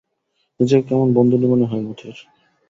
নিজেকে কেমন বন্দিনী মনে হয় মতির।